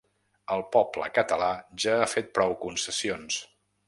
El poble català ja ha fet prou concessions.